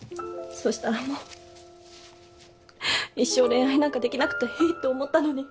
そしたらもう一生恋愛なんかできなくていいと思ったのに。